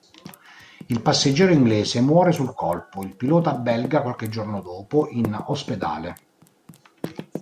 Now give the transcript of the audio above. Il passeggero inglese muore sul colpo, il pilota belga qualche giorno dopo in ospedale.